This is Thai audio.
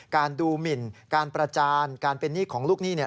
การดูหมินการประจานการเป็นหนี้ของลูกหนี้เนี่ย